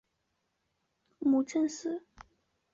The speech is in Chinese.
母郑氏。